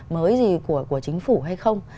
mới gì của chính phủ hay không